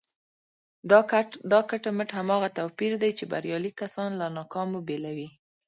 دا کټ مټ هماغه توپير دی چې بريالي کسان له ناکامو بېلوي.